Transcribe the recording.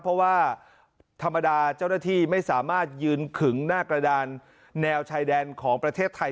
เพราะว่าธรรมดาเจ้าหน้าที่ไม่สามารถยืนขึงหน้ากระดานแนวชายแดนของประเทศไทย